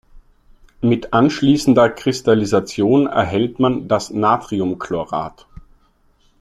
Mit anschließender Kristallisation erhält man das Natriumchlorat.